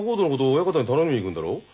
親方に頼みに行くんだろ？